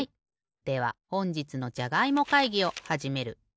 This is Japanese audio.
ではほんじつのじゃがいも会議をはじめる。